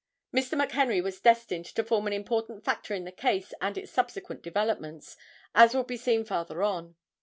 Mr. McHenry was destined to form an important factor in the case and its subsequent developments, as will be seen farther on.